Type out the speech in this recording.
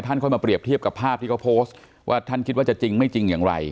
ค่อยมาเปรียบเทียบกับภาพที่เขาโพสต์ว่าท่านคิดว่าจะจริงไม่จริงอย่างไร